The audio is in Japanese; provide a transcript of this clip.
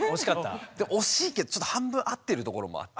惜しいけど半分合ってるところもあって。